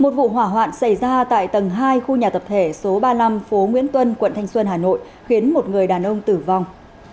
một vụ hỏa hoạn xảy ra tại tầng hai khu nhà tập thể số ba mươi năm phố nguyễn tuân quận thanh xuân hà nội khiến một người đàn ông tử vong